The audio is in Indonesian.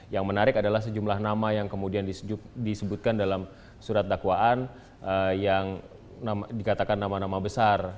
yang menarik adalah sejumlah nama yang kemudian disebutkan dalam surat dakwaan yang dikatakan nama nama besar